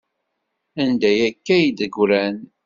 Anda akka ay d-ggran?